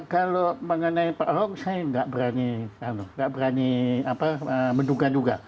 kalau mengenai pak aho saya tidak berani menduga duga